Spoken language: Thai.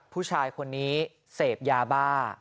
ผู้ชายคนนี้เสพยาบ้า